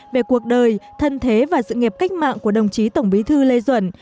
về cuộc đời thân thế và sự nghiệp cách mạng của đồng chí tổng bí thư lê duẩn